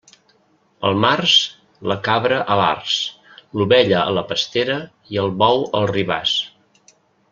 Pel març, la cabra a l'arç, l'ovella a la pastera i el bou al ribàs.